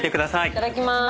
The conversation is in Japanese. いただきます。